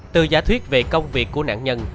từ giả thuyết về công việc của nạn nhân